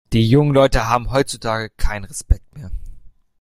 Die jungen Leute haben heutzutage keinen Respekt mehr!